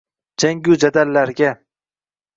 Jangu jadallarga